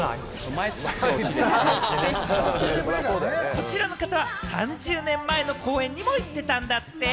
こちらの方は３０年前の公演にも行ってたんだって！